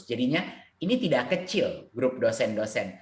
jadinya ini tidak kecil grup dosen dosen